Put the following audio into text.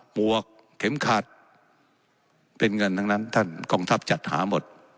หวกเข็มขัดเป็นเงินทั้งนั้นท่านกองทัพจัดหาหมด